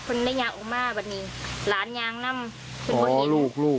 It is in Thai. คุณได้ยางออกมาวันนี้หลานยางนั่มอ๋อลูกลูก